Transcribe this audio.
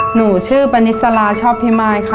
หนูชื่อปณิสลาชอบพิมายค่ะ